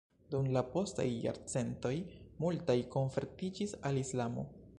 Dum la postaj jarcentoj multaj konvertiĝis al Islamo.